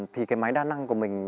thì cái máy đa năng của mình